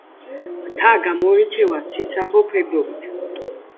მთა გამოირჩევა ციცაბო ფერდობებით.